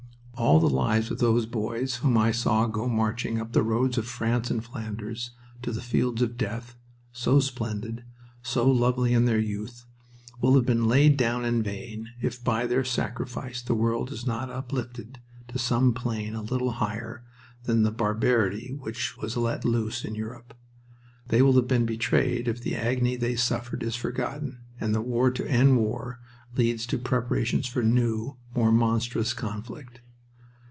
All the lives of those boys whom I saw go marching up the roads of France and Flanders to the fields of death, so splendid, so lovely in their youth, will have been laid down in vain if by their sacrifice the world is not uplifted to some plane a little higher than the barbarity which was let loose in Europe. They will have been betrayed if the agony they suffered is forgotten and "the war to end war" leads to preparations for new, more monstrous conflict.